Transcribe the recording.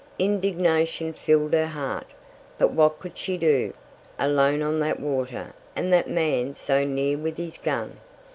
Indignation filled her heart. But what could she do? Alone on that water, and that man so near with his gun!